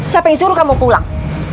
siapa yang suruh kamu pulang